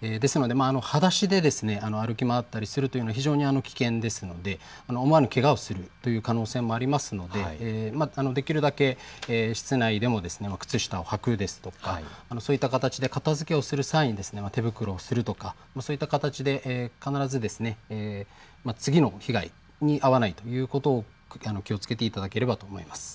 ですのではだしで歩き回ったりするのは非常に危険ですので思わぬけがをする可能性もありますので、できるだけ室内でも靴下をはくですとかそういった形で片づけをする際には手袋をするとかそういった形で必ず次の被害に遭わないということを気をつけていただきたいと思います。